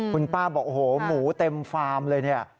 คุณป้าบอกโอ้โหหมูเต็มฟาร์มเลยเนี่ย